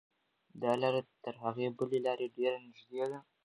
دا لاره تر هغې بلې لارې ډېره نږدې ده.